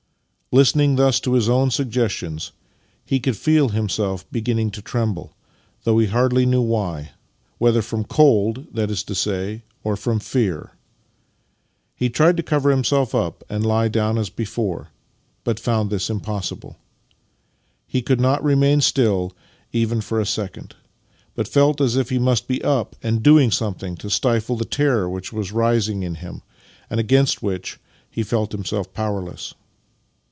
" Listening thus to his own suggestions, he could feel himself beginning to tremble, though he hardly knew why — whether from cold, that is to say, or from fear. He tried to cover himself up and lie down as before, but found this impossible. He could not remain still, even for a second, but felt as if he must be up and doing something to stifle the terror which was rising in him, and against which he felt himself powerless.